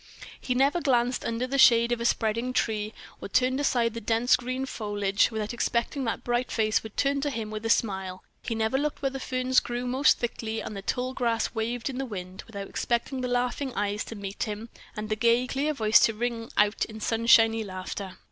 He never glanced under the shade of a spreading tree, or turned aside the dense green foliage, without expecting that the bright face would turn to him with a smile; he never looked where the ferns grew most thickly, and the tall grass waved in the wind, without expecting the laughing eyes to meet him, and the gay, clear voice to ring out in sunshiny laughter.